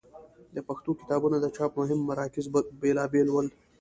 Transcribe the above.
د پښتو کتابونو د چاپ مهم مراکز بېلابېل ول.